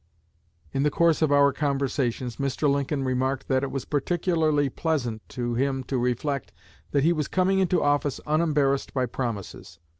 ... In the course of our conversations Mr. Lincoln remarked that it was particularly pleasant to him to reflect that he was coming into office unembarrassed by promises.